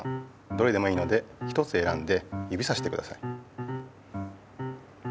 どれでもいいので一つえらんでゆびさしてください。